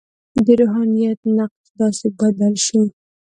د روحانیت نقش داسې بدل شو.